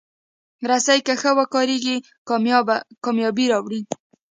رسۍ که ښه وکارېږي، کامیابي راوړي.